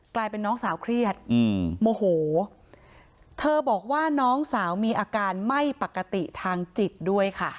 กลายเป็นน้องสาวเครียดอืมโมโหเธอบอกว่าน้องสาวมีอาการไม่ปกติทางจิตด้วยค่ะ